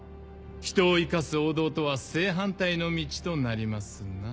人を生かす王道とは正反対の道となりますな。